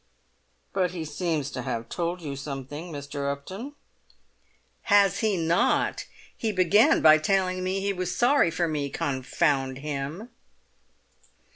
"But he seems to have told you something, Mr. Upton?" "Has he not! He began by telling me he was sorry for me, confound him!